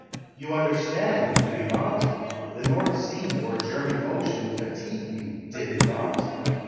You understand, Do you not? The North Sea or German Ocean Fatigued you, Did it not?